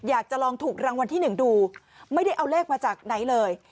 อยากจะลองถูกรางวัลที่หนึ่งดูไม่ได้เอาเลขมาจากไหนเลย